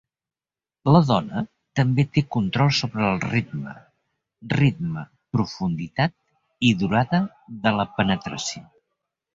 La dona també té control sobre el ritme, ritme, profunditat i durada de la penetració.